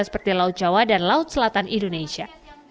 seperti laut jawa dan laut selatan indonesia